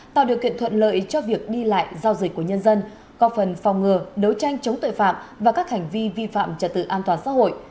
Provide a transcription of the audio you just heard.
tạo điều kiện thuận lợi cho việc đi lại giao dịch của nhân dân góp phần phòng ngừa đấu tranh chống tội phạm và các hành vi vi phạm trật tự an toàn xã hội